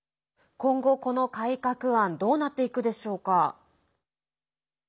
今後、この改革案どうなっていくでしょうか。